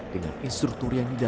dengan instruktur yang didatangkan